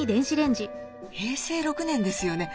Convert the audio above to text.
平成６年ですよね。